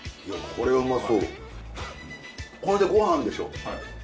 これで御飯でしょ。